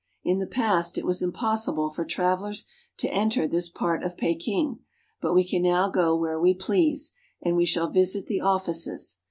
In the past it was impossible for travelers to enter this part of Peking, but we can now go where we please, and we shall visit the offices.